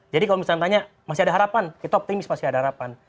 jadi kalau misalnya ditanya masih ada harapan kita optimis masih ada harapan